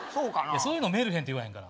そういうのメルヘンって言わへんから。